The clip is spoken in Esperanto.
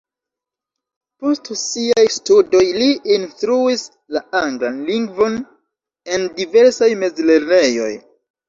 Post siaj studoj li instruis la anglan lingvon en diversaj mezlernejoj.